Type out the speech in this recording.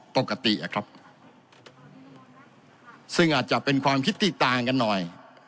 ปกติอะครับซึ่งอาจจะเป็นความคิดที่ต่างกันหน่อย